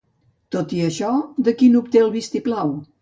Tot i això, de qui no obté el vistiplau?